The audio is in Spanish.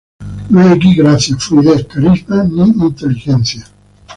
No hay aquí gracia, fluidez, carisma ni inteligencia.